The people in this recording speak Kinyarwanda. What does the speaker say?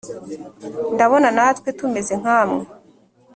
- ndabona natwe tumeze nkamwe.